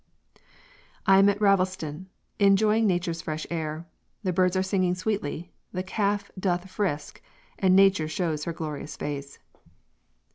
"I am at Ravelston enjoying nature's fresh air. The birds are singing sweetly the calf doth frisk and nature shows her glorious face."